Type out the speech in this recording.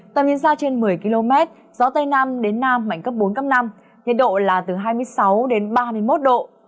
tầm nhìn xa trên một mươi km gió tây nam đến nam mạnh cấp bốn năm nhiệt độ là từ hai mươi sáu đến ba mươi một độ